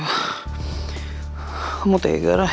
kamu tega ray